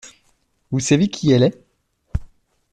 Vous savez qui elle est ?